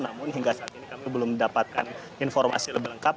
namun hingga saat ini kami belum mendapatkan informasi lebih lengkap